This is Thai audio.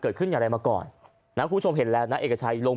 ขึ้นอย่างไรมาก่อนนะคุณผู้ชมเห็นแล้วนะเอกชัยลง